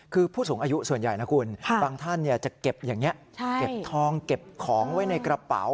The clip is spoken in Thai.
คือผู้สูงอายุส่วนใหญ่นะคุณบางท่านจะเก็บอย่างนี้เก็บทองเก็บของไว้ในกระเป๋า